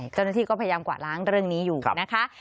เจ้าหน้าที่ก็พยายามกว่าล้างเรื่องนี้อยู่นะคะ